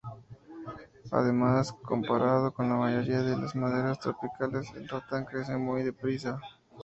Además, comparado con la mayoría de las maderas tropicales, el ratán crece muy deprisa.